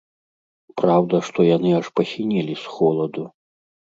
Праўда, што яны аж пасінелі з холаду.